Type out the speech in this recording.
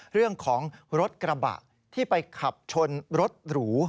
เรื่องของรถกระบะที่ไปขับชนรถหรู